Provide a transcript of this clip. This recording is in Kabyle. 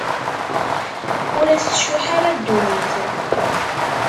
Ur as-tcuḥḥ ara ddunit.